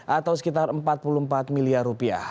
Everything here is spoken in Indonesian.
atau sekitar empat puluh empat miliar rupiah